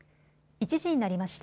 １時になりました。